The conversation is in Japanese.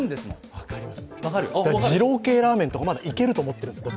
分かります、次郎系ラーメンとかまだいけると思っているんです。